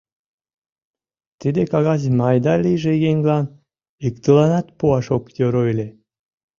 — Тиде кагазым айда-лийже еҥлан иктыланат пуаш ок йӧрӧ ыле.